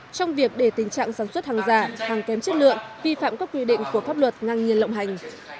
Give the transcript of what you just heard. trong việc để tình trạng sản xuất hàng giả hàng kém chất lượng vi phạm các quy định của pháp luật ngang nhiên lộng hành